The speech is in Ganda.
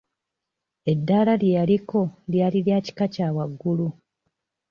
Eddaala lye yaliko lyali lya kika kya waggulu nnyo.